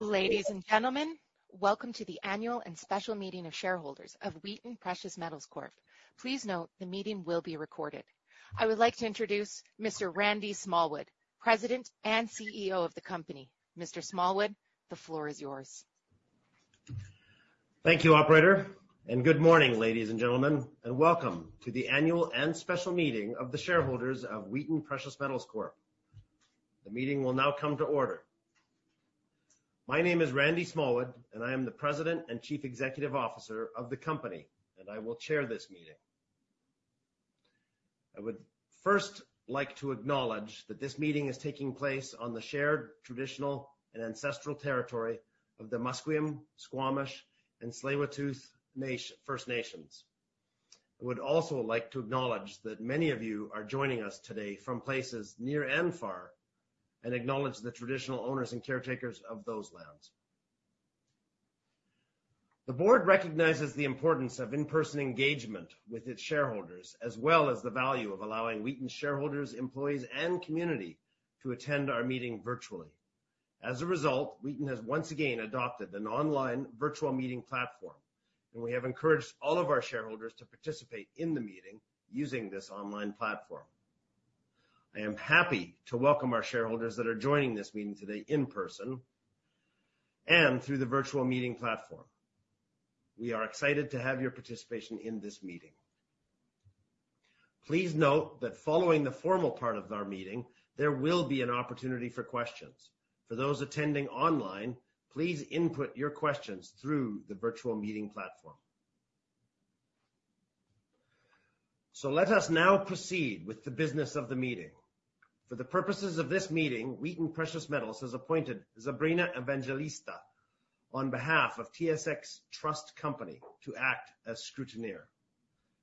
Ladies and gentlemen, welcome to the annual and special meeting of shareholders of Wheaton Precious Metals Corp. Please note, the meeting will be recorded. I would like to introduce Mr. Randy Smallwood, President and CEO of the company. Mr. Smallwood, the floor is yours. Thank you, Operator, and good morning, ladies and gentlemen, and welcome to the annual and special meeting of the shareholders of Wheaton Precious Metals Corp. The meeting will now come to order. My name is Randy Smallwood, and I am the President and Chief Executive Officer of the company, and I will chair this meeting. I would first like to acknowledge that this meeting is taking place on the shared traditional and ancestral territory of the Musqueam, Squamish, and Tsleil-Waututh First Nations. I would also like to acknowledge that many of you are joining us today from places near and far, and acknowledge the traditional owners and caretakers of those lands. The board recognizes the importance of in-person engagement with its shareholders, as well as the value of allowing Wheaton's shareholders, employees, and community to attend our meeting virtually. As a result, Wheaton has once again adopted an online virtual meeting platform, and we have encouraged all of our shareholders to participate in the meeting using this online platform. I am happy to welcome our shareholders that are joining this meeting today in person and through the virtual meeting platform. We are excited to have your participation in this meeting. Please note that following the formal part of our meeting, there will be an opportunity for questions. For those attending online, please input your questions through the virtual meeting platform. So let us now proceed with the business of the meeting. For the purposes of this meeting, Wheaton Precious Metals has appointed Sabrina Evangelista on behalf of TSX Trust Company to act as scrutineer.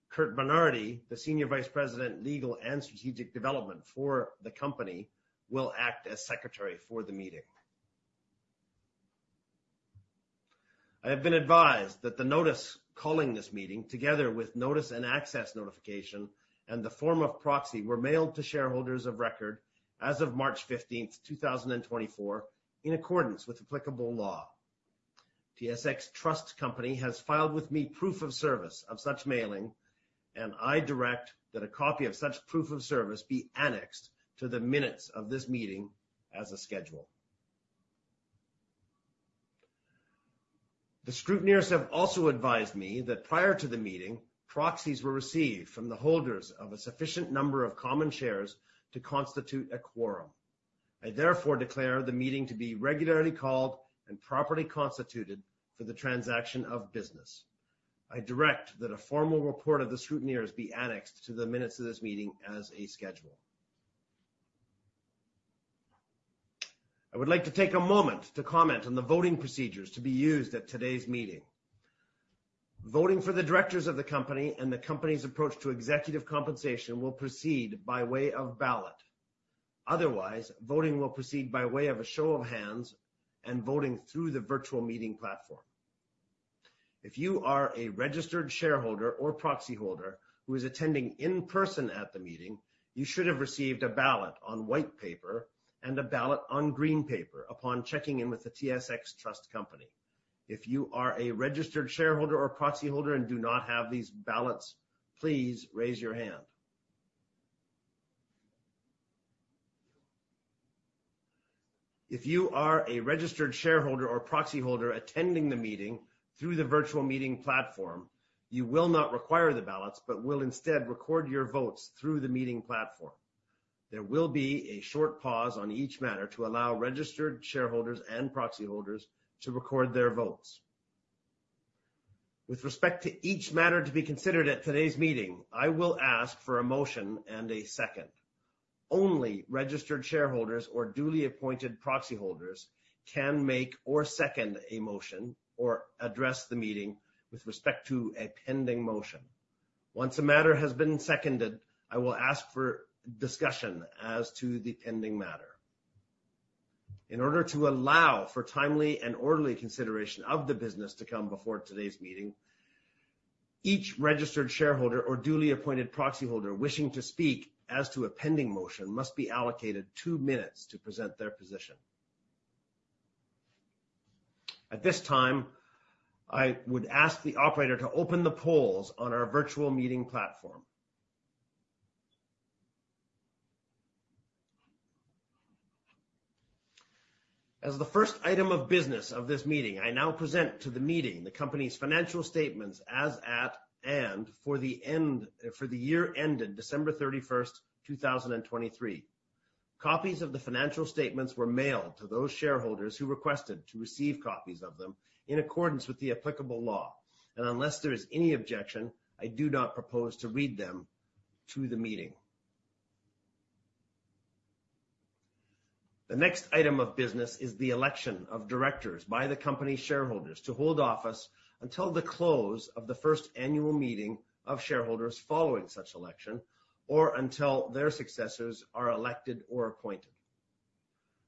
Curt Bernardi, the Senior Vice President, Legal and Strategic Development for the company, will act as secretary for the meeting. I have been advised that the notice calling this meeting, together with notice and access notification and the form of proxy, were mailed to shareholders of record as of March 15, 2024, in accordance with applicable law. TSX Trust Company has filed with me proof of service of such mailing, and I direct that a copy of such proof of service be annexed to the minutes of this meeting as a schedule. The scrutineers have also advised me that prior to the meeting, proxies were received from the holders of a sufficient number of common shares to constitute a quorum. I therefore declare the meeting to be regularly called and properly constituted for the transaction of business. I direct that a formal report of the scrutineers be annexed to the minutes of this meeting as a schedule. I would like to take a moment to comment on the voting procedures to be used at today's meeting. Voting for the directors of the company and the company's approach to executive compensation will proceed by way of ballot. Otherwise, voting will proceed by way of a show of hands and voting through the virtual meeting platform. If you are a registered shareholder or proxy holder who is attending in person at the meeting, you should have received a ballot on white paper and a ballot on green paper upon checking in with the TSX Trust Company. If you are a registered shareholder or proxy holder and do not have these ballots, please raise your hand. If you are a registered shareholder or proxy holder attending the meeting through the virtual meeting platform, you will not require the ballots but will instead record your votes through the meeting platform. There will be a short pause on each matter to allow registered shareholders and proxy holders to record their votes. With respect to each matter to be considered at today's meeting, I will ask for a motion and a second. Only registered shareholders or duly appointed proxy holders can make or second a motion or address the meeting with respect to a pending motion. Once a matter has been seconded, I will ask for discussion as to the pending matter. In order to allow for timely and orderly consideration of the business to come before today's meeting, each registered shareholder or duly appointed proxy holder wishing to speak as to a pending motion must be allocated two minutes to present their position. At this time, I would ask the Operator to open the polls on our virtual meeting platform. As the first item of business of this meeting, I now present to the meeting the company's financial statements as at and for the year ended December 31, 2023. Copies of the financial statements were mailed to those shareholders who requested to receive copies of them in accordance with the applicable law, and unless there is any objection, I do not propose to read them to the meeting. The next item of business is the election of directors by the company's shareholders to hold office until the close of the first annual meeting of shareholders following such election or until their successors are elected or appointed.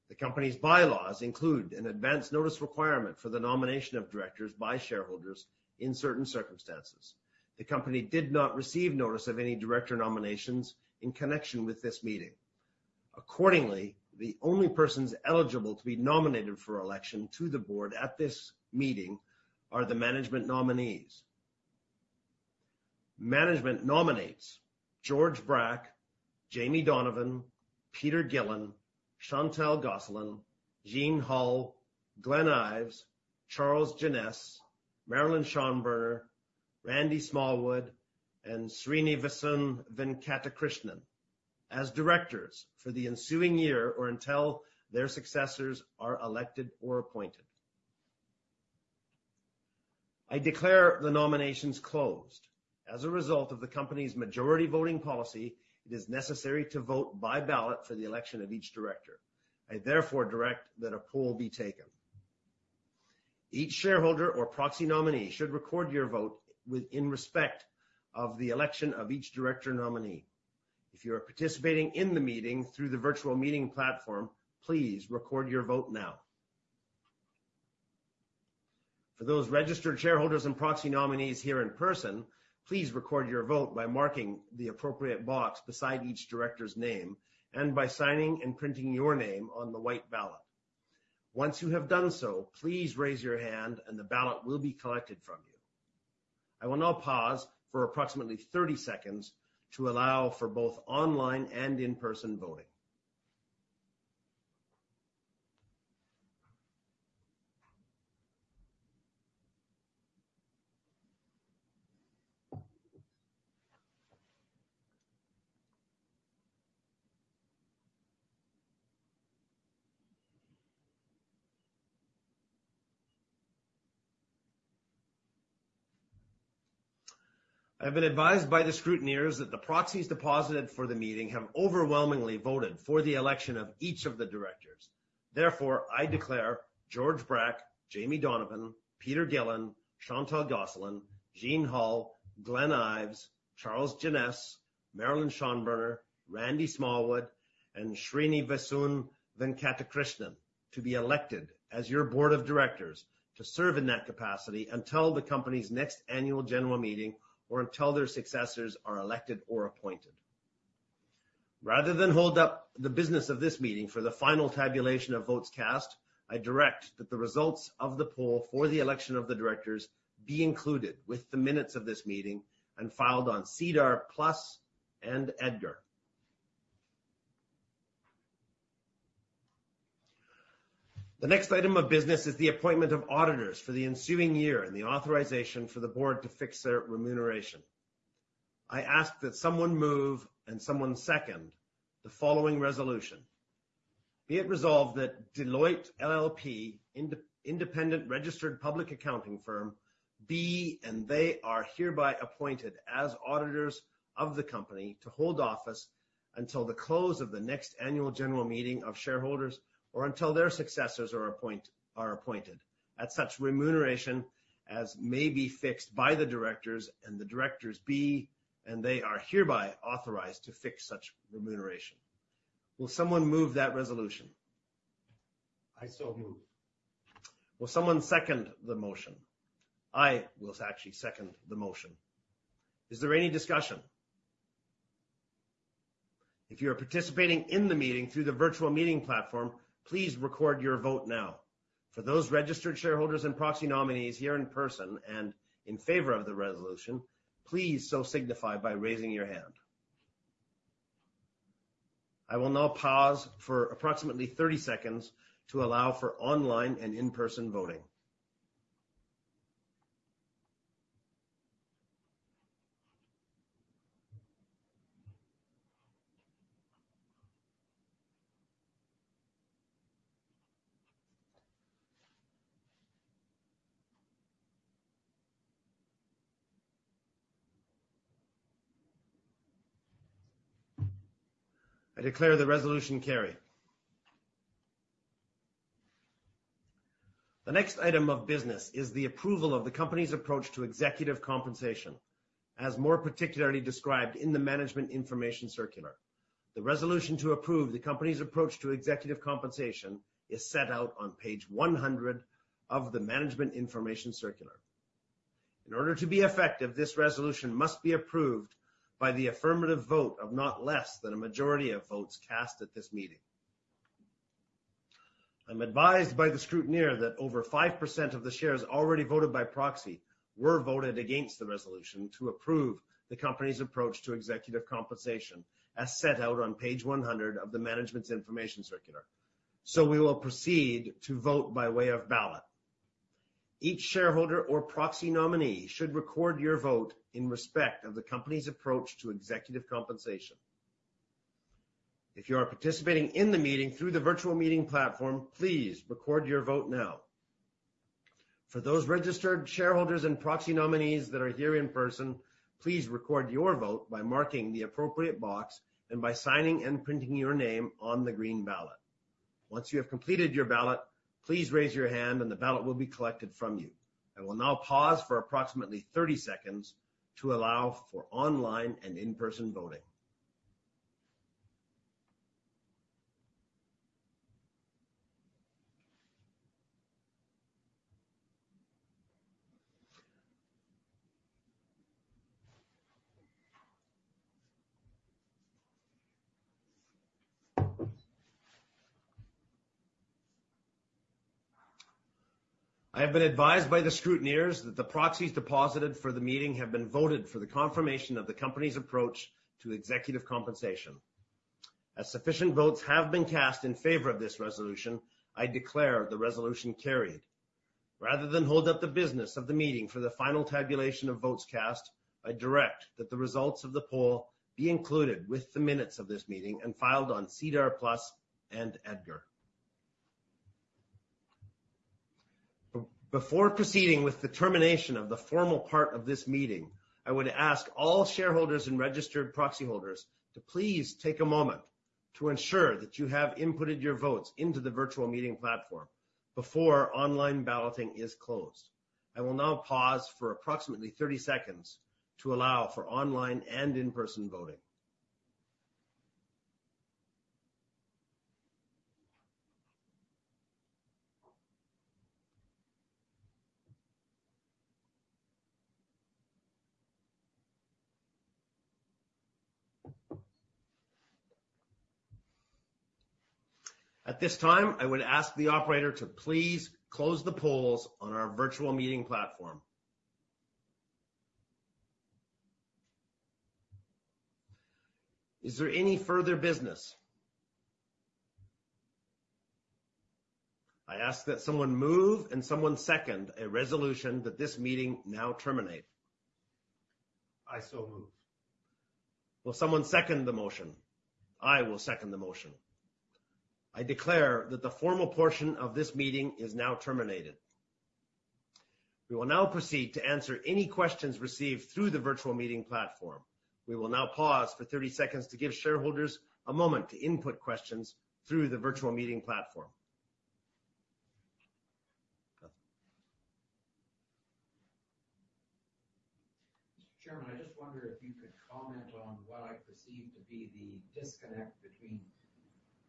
The company's bylaws include an advance notice requirement for the nomination of directors by shareholders in certain circumstances. The company did not receive notice of any director nominations in connection with this meeting. Accordingly, the only persons eligible to be nominated for election to the board at this meeting are the management nominees. Management nominates George Brack, Jaimie Donovan, Peter Gillin, Chantal Gosselin, Jeane Hull, Glenn Ives, Charles Jeannes, Marilyn Schonberner, Randy Smallwood, and Srinivasan Venkatakrishnan as directors for the ensuing year or until their successors are elected or appointed. I declare the nominations closed. As a result of the company's majority voting policy, it is necessary to vote by ballot for the election of each director. I therefore direct that a poll be taken. Each shareholder or proxy nominee should record your vote in respect of the election of each director nominee. If you are participating in the meeting through the virtual meeting platform, please record your vote now. For those registered shareholders and proxy nominees here in person, please record your vote by marking the appropriate box beside each director's name and by signing and printing your name on the white ballot. Once you have done so, please raise your hand and the ballot will be collected from you. I will now pause for approximately 30 seconds to allow for both online and in-person voting. I have been advised by the scrutineers that the proxies deposited for the meeting have overwhelmingly voted for the election of each of the directors. Therefore, I declare George Brack, Jaimie Donovan, Peter Gillin, Chantal Gosselin, Jeane Hull, Glenn Ives, Charles Jeannes, Marilyn Schonberner, Randy Smallwood, and Srinivasan Venkatakrishnan to be elected as your board of directors to serve in that capacity until the company's next annual general meeting or until their successors are elected or appointed. Rather than hold up the business of this meeting for the final tabulation of votes cast, I direct that the results of the poll for the election of the directors be included with the minutes of this meeting and filed on SEDAR+ and EDGAR. The next item of business is the appointment of auditors for the ensuing year and the authorization for the board to fix their remuneration. I ask that someone move and someone second the following resolution. Be it resolved that Deloitte LLP, independent registered public accounting firm, be and they are hereby appointed as auditors of the company to hold office until the close of the next annual general meeting of shareholders or until their successors are appointed at such remuneration as may be fixed by the directors and the directors be and they are hereby authorized to fix such remuneration. Will someone move that resolution? I so move. Will someone second the motion? I will actually second the motion. Is there any discussion? If you are participating in the meeting through the virtual meeting platform, please record your vote now. For those registered shareholders and proxy nominees here in person and in favor of the resolution, please so signify by raising your hand. I will now pause for approximately 30 seconds to allow for online and in-person voting. I declare the resolution carried. The next item of business is the approval of the company's approach to executive compensation, as more particularly described in the Management Information Circular. The resolution to approve the company's approach to executive compensation is set out on page 100 of the Management Information Circular. In order to be effective, this resolution must be approved by the affirmative vote of not less than a majority of votes cast at this meeting. I'm advised by the scrutineer that over 5% of the shares already voted by proxy were voted against the resolution to approve the company's approach to executive compensation as set out on page 100 of the Management Information Circular. So we will proceed to vote by way of ballot. Each shareholder or proxy nominee should record your vote in respect of the company's approach to executive compensation. If you are participating in the meeting through the virtual meeting platform, please record your vote now. For those registered shareholders and proxy nominees that are here in person, please record your vote by marking the appropriate box and by signing and printing your name on the green ballot. Once you have completed your ballot, please raise your hand and the ballot will be collected from you. I will now pause for approximately 30 seconds to allow for online and in-person voting. I have been advised by the scrutineers that the proxies deposited for the meeting have been voted for the confirmation of the company's approach to executive compensation. As sufficient votes have been cast in favor of this resolution, I declare the resolution carried. Rather than hold up the business of the meeting for the final tabulation of votes cast, I direct that the results of the poll be included with the minutes of this meeting and filed on SEDAR+ and EDGAR. Before proceeding with the termination of the formal part of this meeting, I would ask all shareholders and registered proxy holders to please take a moment to ensure that you have inputted your votes into the virtual meeting platform before online balloting is closed. I will now pause for approximately 30 seconds to allow for online and in-person voting. At this time, I would ask the Operator to please close the polls on our virtual meeting platform. Is there any further business? I ask that someone move and someone second a resolution that this meeting now terminate. I so move. Will someone second the motion? I will second the motion. I declare that the formal portion of this meeting is now terminated. We will now proceed to answer any questions received through the virtual meeting platform. We will now pause for 30 seconds to give shareholders a moment to input questions through the virtual meeting platform. Chairman, I just wonder if you could comment on what I perceive to be the disconnect between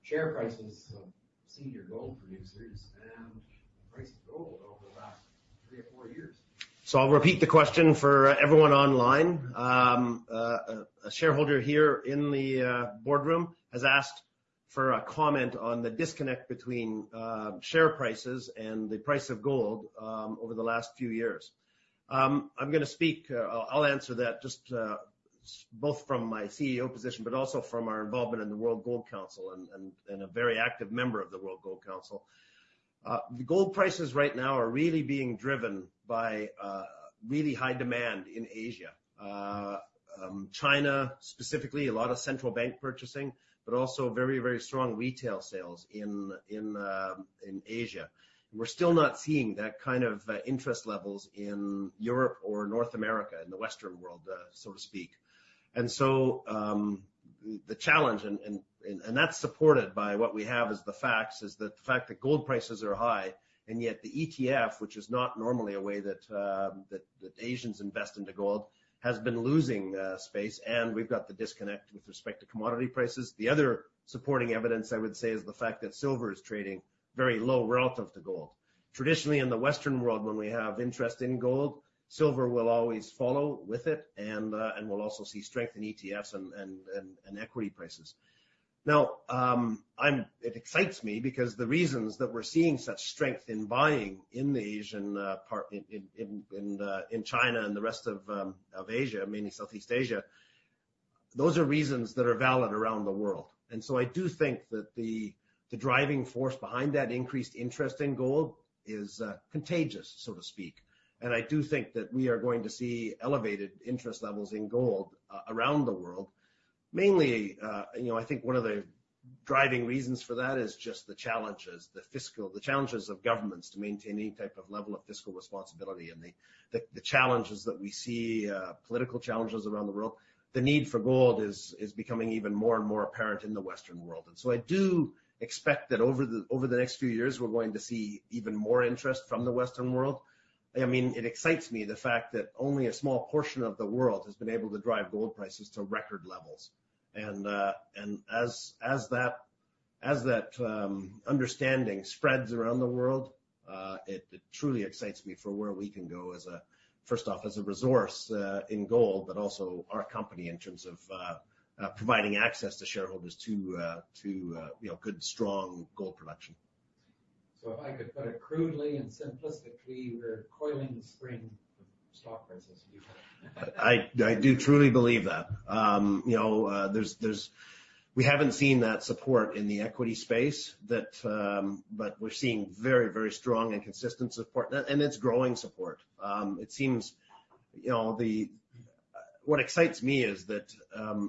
share prices of senior gold producers and price of gold over the last three or four years? So I'll repeat the question for everyone online. A shareholder here in the boardroom has asked for a comment on the disconnect between share prices and the price of gold over the last few years. I'm going to speak. I'll answer that just both from my CEO position but also from our involvement in the World Gold Council and a very active member of the World Gold Council. The gold prices right now are really being driven by really high demand in Asia. China, specifically, a lot of central bank purchasing but also very, very strong retail sales in Asia. We're still not seeing that kind of interest levels in Europe or North America, in the Western world, so to speak. And so the challenge and that's supported by what we have as the facts is that the fact that gold prices are high and yet the ETF, which is not normally a way that Asians invest into gold, has been losing space and we've got the disconnect with respect to commodity prices. The other supporting evidence, I would say, is the fact that silver is trading very low relative to gold. Traditionally, in the Western world, when we have interest in gold, silver will always follow with it and we'll also see strength in ETFs and equity prices. Now, it excites me because the reasons that we're seeing such strength in buying in the Asian part in China and the rest of Asia, mainly Southeast Asia, those are reasons that are valid around the world. And so I do think that the driving force behind that increased interest in gold is contagious, so to speak. And I do think that we are going to see elevated interest levels in gold around the world. Mainly, I think one of the driving reasons for that is just the challenges, the challenges of governments to maintain any type of level of fiscal responsibility and the challenges that we see, political challenges around the world. The need for gold is becoming even more and more apparent in the Western world. And so I do expect that over the next few years, we're going to see even more interest from the Western world. I mean, it excites me the fact that only a small portion of the world has been able to drive gold prices to record levels. As that understanding spreads around the world, it truly excites me for where we can go as a first off, as a resource in gold but also our company in terms of providing access to shareholders to good, strong gold production. If I could put it crudely and simplistically, we're coiling the spring of stock prices. I do truly believe that. We haven't seen that support in the equity space but we're seeing very, very strong and consistent support and it's growing support. It seems what excites me is that,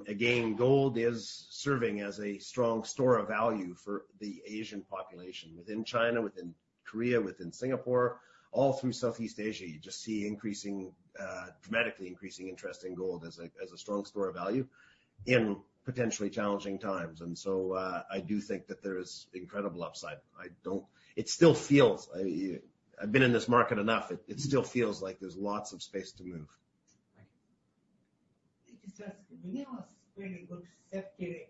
again, gold is serving as a strong store of value for the Asian population within China, within Korea, within Singapore, all through Southeast Asia. You just see increasing, dramatically increasing interest in gold as a strong store of value in potentially challenging times. And so I do think that there is incredible upside. It still feels I've been in this market enough. It still feels like there's lots of space to move. I just asked, do you have a really good safety record?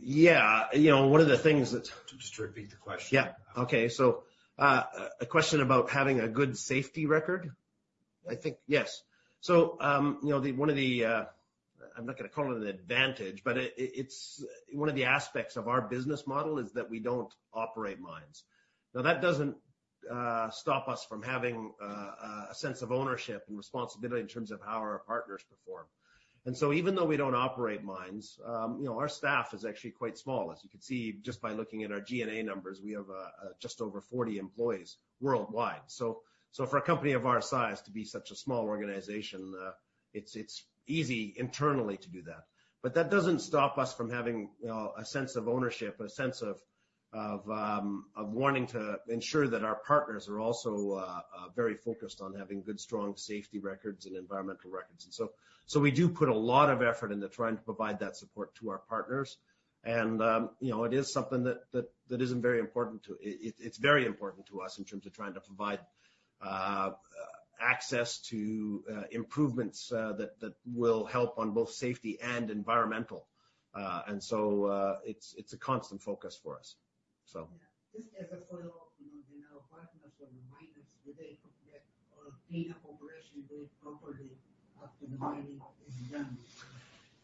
Yeah. One of the things that. Just to repeat the question. Yeah. Okay. So a question about having a good safety record? I think, yes. So one of the I'm not going to call it an advantage but it's one of the aspects of our business model is that we don't operate mines. Now, that doesn't stop us from having a sense of ownership and responsibility in terms of how our partners perform. And so even though we don't operate mines, our staff is actually quite small. As you can see, just by looking at our G&A numbers, we have just over 40 employees worldwide. So for a company of our size to be such a small organization, it's easy internally to do that. But that doesn't stop us from having a sense of ownership, a sense of wanting to ensure that our partners are also very focused on having good, strong safety records and environmental records. We do put a lot of effort into trying to provide that support to our partners. It is something that isn't very important to. It's very important to us in terms of trying to provide access to improvements that will help on both safety and environmental. It's a constant focus for us, so. Yeah. Just as a follow-up, do you know partners or the miners, do they complete or clean up operations properly after the mining is done?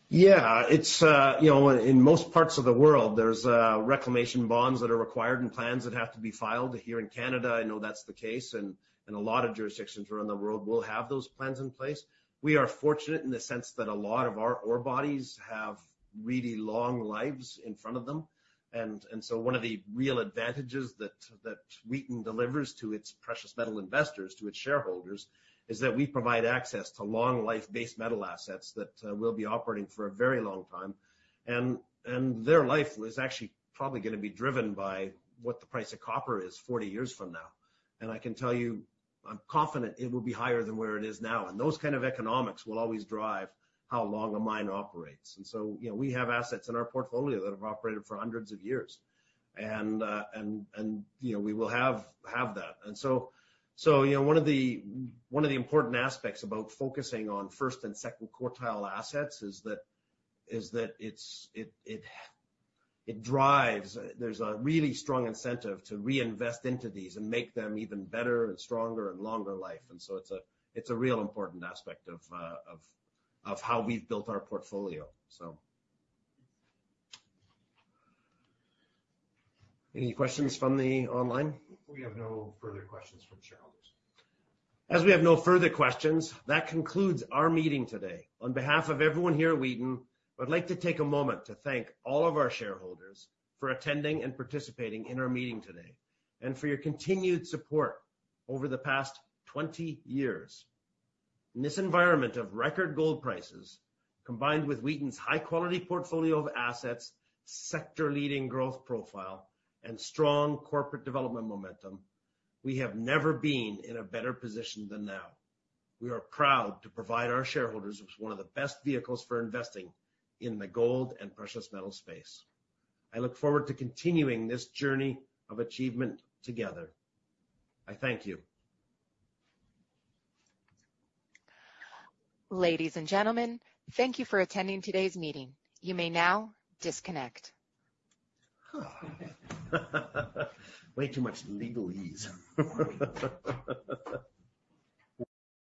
Yeah. In most parts of the world, there's reclamation bonds that are required and plans that have to be filed. Here in Canada, I know that's the case. And a lot of jurisdictions around the world will have those plans in place. We are fortunate in the sense that a lot of our ore bodies have really long lives in front of them. And so one of the real advantages that Wheaton delivers to its precious metal investors, to its shareholders, is that we provide access to long-life base metal assets that will be operating for a very long time. And their life is actually probably going to be driven by what the price of copper is 40 years from now. And I can tell you, I'm confident it will be higher than where it is now. And those kind of economics will always drive how long a mine operates. We have assets in our portfolio that have operated for hundreds of years. We will have that. One of the important aspects about focusing on first and second quartile assets is that it drives. There's a really strong incentive to reinvest into these and make them even better and stronger and longer life. It's a real important aspect of how we've built our portfolio, so. Any questions from the online? We have no further questions from shareholders. As we have no further questions, that concludes our meeting today. On behalf of everyone here at Wheaton, I'd like to take a moment to thank all of our shareholders for attending and participating in our meeting today and for your continued support over the past 20 years. In this environment of record gold prices, combined with Wheaton's high-quality portfolio of assets, sector-leading growth profile, and strong corporate development momentum, we have never been in a better position than now. We are proud to provide our shareholders with one of the best vehicles for investing in the gold and precious metal space. I look forward to continuing this journey of achievement together. I thank you. Ladies and gentlemen, thank you for attending today's meeting. You may now disconnect. Way too much legalese.